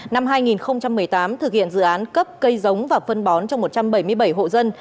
năm hai nghìn một mươi tám thực hiện dự án cấp cây giống và phân bón cho một trăm bảy mươi bảy hộ dân